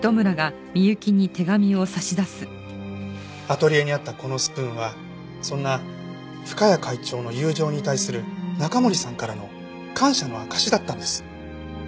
アトリエにあったこのスプーンはそんな深谷会長の友情に対する中森さんからの感謝の証しだったんです。